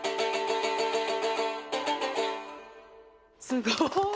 すごい！